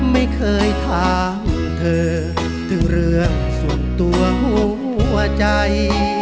ไม่เคยถามเธอถึงเรื่องส่วนตัวหัวใจ